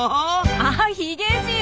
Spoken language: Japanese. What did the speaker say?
あヒゲじい